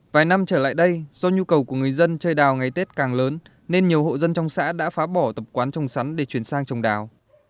vài năm trở lại đây do nhu cầu của người dân chơi đào ngày tết càng lớn nên nhiều hộ dân trong xã đã phá bỏ tập quán trồng sắn để chuyển sang trồng đào